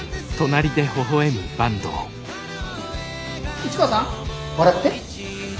市川さん笑って。